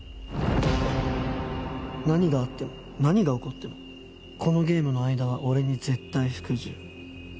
何があっても何が起こってもこのゲームの間は俺に絶対服従。